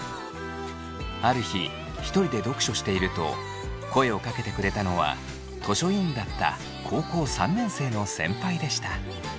ある日ひとりで読書していると声をかけてくれたのは図書委員だった高校３年生の先輩でした。